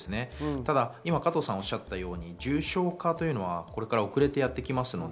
ただ加藤さんがおっしゃったように重症化というのは遅れてやってきます。